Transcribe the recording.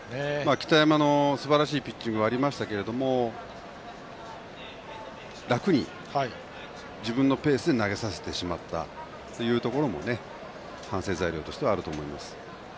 北山のすばらしいピッチングがありましたけども楽に自分のペースで投げさせてしまったところも反省材料としてはあると思います。